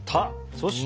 そして。